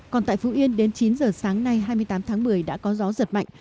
còn tại phú yên đến chín giờ sáng nay hai mươi tám tháng một mươi đã có gió giật mạnh